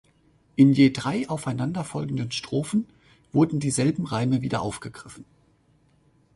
In je drei aufeinander folgenden Strophen wurden dieselben Reime wieder aufgegriffen.